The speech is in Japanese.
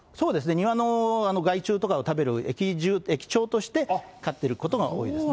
庭の害虫とかを食べる益鳥として飼ってることが多いですね。